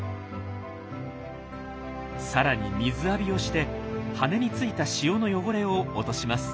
さらに水浴びをして羽についた塩の汚れを落とします。